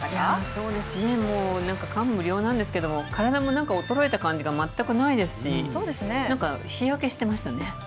そうですね、もう、なんか感無量なんですけれども、体もなんか衰えた感じが全くないですし、なんか、日焼けしてましたね。